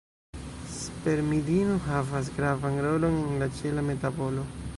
Spermidino havas gravan rolon en ĉela metabolo.